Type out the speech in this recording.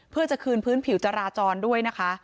เพื่อจะคืนพื้นผิวจราจรด้วยนะคะ